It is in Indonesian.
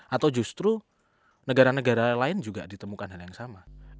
atau justru negara negara lain juga ditemukan hal yang sama